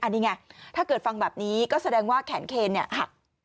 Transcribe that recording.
อันนี้ไงถ้าเกิดฟังแบบนี้ก็แสดงว่าแขนเครนเนี่ยหัก